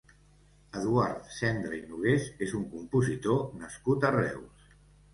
Eduard Sendra i Nogués és un compositor nascut a Reus.